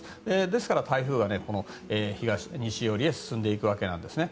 ですから台風が西寄りへ進んでいくわけなんですね。